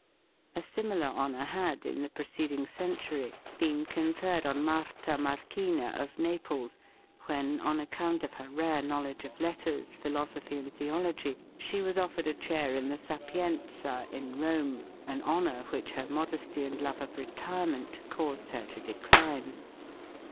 A similar honor had, in the preceding century, been conferred on Marta Marchina, of Naples, when, on account of her rare knowledge of letters, philosophy and theology, she was offered a chair in the Sapienza, in Rome, an honor which her modesty and love of retirement caused her to decline.